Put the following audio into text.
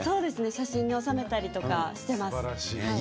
写真に収めたりはしてます。